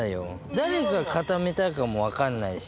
誰が固めたかもわかんないし。